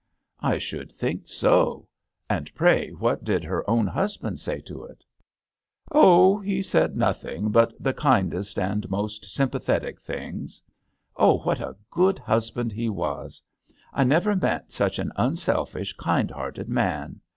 " I should think so. And pray, what did her own husband say to it?" " Oh ! he said nothing but the Tk£ h6x£L D^ANGLEXERRfi. 1$ kindest and most sympathetic things. Oh I what a good hus band he was ! I never met such an unselfish, kindhearted man!